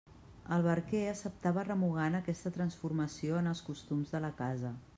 El barquer acceptava remugant aquesta transformació en els costums de la casa.